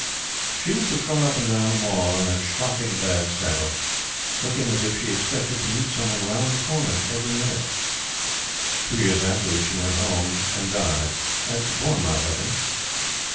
She used to trot up and down the Mall, on that shocking bad saddle, looking as if she expected to meet some one round the corner every minute. Two years afterward, she went Home, and died at Bournemouth, I think.